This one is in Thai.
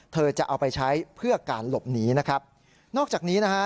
เธอจะเอาไปใช้เพื่อการหลบหนีนะครับนอกจากนี้นะฮะ